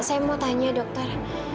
saya mau tanya dokter